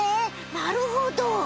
なるほど。